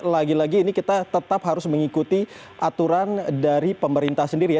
lagi lagi ini kita tetap harus mengikuti aturan dari pemerintah sendiri ya